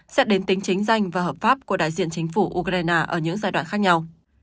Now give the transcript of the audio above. xét đến tính chính danh và hợp pháp của đại diện chính phủ ukraine ở những giai đoạn khác nhau